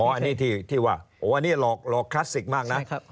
อันนี้ที่ว่าวันนี้หลอกคลาสสิกมากนะ